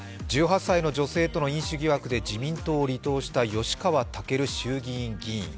１８歳の女性との飲酒疑惑で自民党を離党した吉川赳衆議院議員。